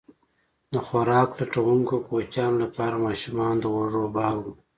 د خوراک لټونکو کوچیانو لپاره ماشومان د اوږو بار وو.